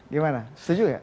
gimana setuju ya